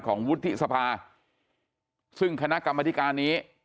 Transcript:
วุฒิสภาซึ่งคณะกรรมธิการนี้